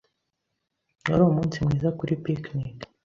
Wari umunsi mwiza kuri picnic.